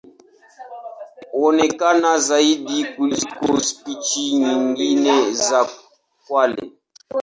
Huonekana zaidi kuliko spishi nyingine za kwale.